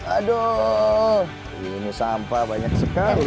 aduh ini sampah banyak sekali